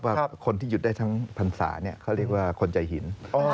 คนที่หยุดได้ทั้งพรรษาเขาเรียกว่าคนใจหิน